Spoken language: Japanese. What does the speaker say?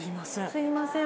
すいません。